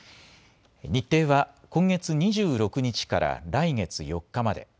日程は、今月２６日から来月４日まで。